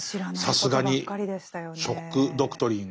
さすがに「ショック・ドクトリン」。